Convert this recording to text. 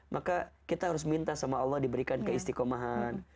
maka kita harus minta sama allah diberikan keistikomahan